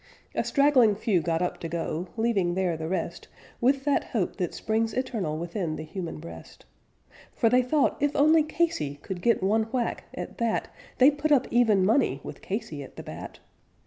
A straggling few got up to go, leaving there the rest With that hope that springs eternal within the human breast; For they thought if only Casey could get one whack, at that They'd put up even money, with Casey at the bat.